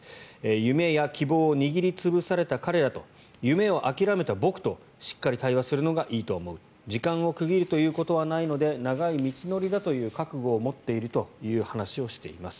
夢や希望を握り潰された彼らと夢を諦めた僕としっかり対話するのがいいと思う時間を区切るということはないので長い道のりだという覚悟を持っているという話をしています。